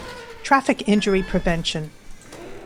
"Traffic Injury Prevention "